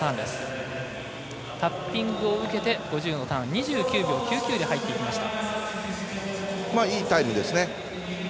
タッピングを受けて５０のターン２０秒９９で入りました。